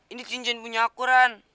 ini cincin punya aku ran